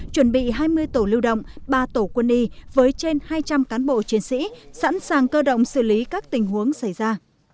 chuẩn bị hai mươi tổ lưu động ba tổ quân y với trên hai trăm linh cán bộ chiến sĩ sẵn sàng cơ động xử lý các tình huống xảy ra